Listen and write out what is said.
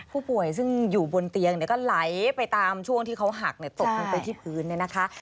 ผู้ป่วยซึ่งอยู่บนเตียงก็ไหลไปตามช่วงที่เขาหักตกลงไปที่พื้นเนี่ยนะคะ